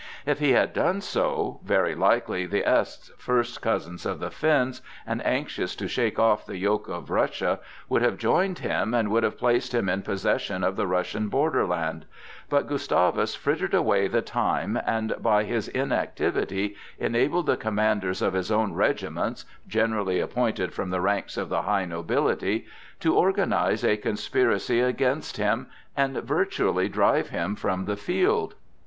If he had done so, very likely the Esths, first cousins of the Finns, and anxious to shake off the yoke of Russia, would have joined him and would have placed him in possession of the Russian borderland; but Gustavus frittered away the time and by his inactivity enabled the commanders of his own regiments (generally appointed from the ranks of the high nobility) to organize a conspiracy against him and virtually drive him from the field.